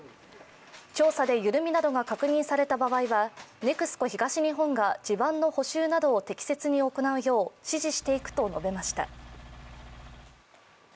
調査で緩みなどが確認された場合はＮＥＸＣＯ東日本が地盤の補修などを適切に行うよう指示していくと述べました。